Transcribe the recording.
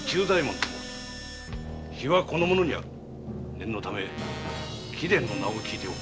念のため貴殿の名を聞いておこう